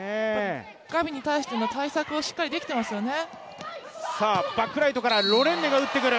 ガビに対しての対策がしっかりできていますね。